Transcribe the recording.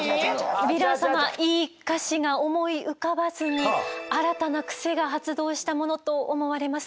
ヴィラン様いい歌詞が思い浮かばずに新たなクセが発動したものと思われます。